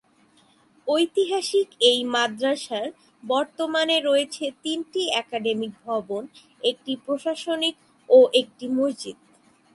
ঐতিহাসিক এই মাদ্রাসার বর্তমানে রয়েছে তিনটি একাডেমিক ভবন, একটি প্রশাসনিক ও একটি মসজিদ।